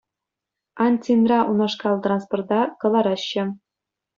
Аньцинра унашкал транспорта кӑлараҫҫӗ.